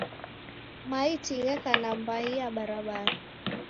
Maiti gheka nambai ya barabara.